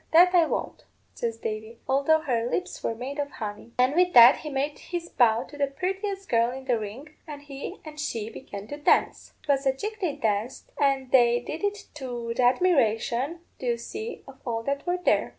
'That I won't,' says Davy, 'although her lips were made of honey.' And with that he made his bow to the purtiest girl in the ring, and he and she began to dance. 'Twas a jig they danced, and they did it to th' admiration, do you see, of all that were there.